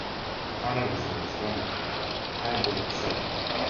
The final result was radical parabolic sidecut.